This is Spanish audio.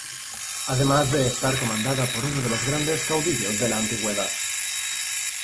Además de estar comandada por uno de los grandes caudillos de la antigüedad.